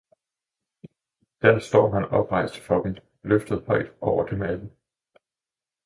der står han oprejst for dem, løftet højt over dem alle.